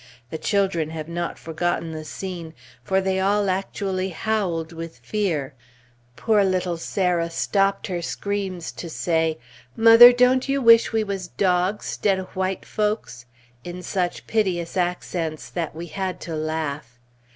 The children have not forgotten the scene, for they all actually howled with fear. Poor little Sarah stopped her screams to say, "Mother, don't you wish we was dogs 'stead o' white folks?" in such piteous accents that we had to laugh.